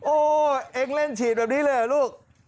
โอ้เองเล่นฉีดแบบนี้เลยเหรอลูก